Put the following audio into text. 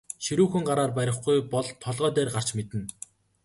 Ширүүхэн гараар барихгүй бол толгой дээр гарч мэднэ.